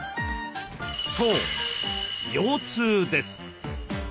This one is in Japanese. そう腰痛です。